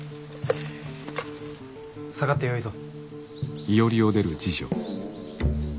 下がってよいぞ。